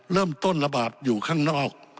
เริ่มต้นระบาดอยู่ข้างนอก